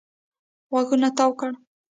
غوږونه تاو کړي.